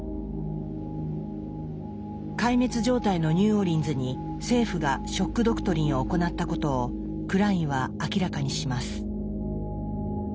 壊滅状態のニューオーリンズに政府が「ショック・ドクトリン」を行ったことをクラインは明らかにします。